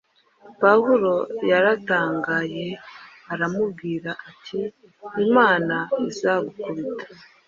Pawulo yaratangaye aramubwira ati, “Imana izagukubita,